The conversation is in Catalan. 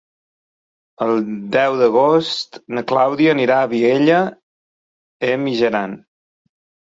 El deu d'agost na Clàudia anirà a Vielha e Mijaran.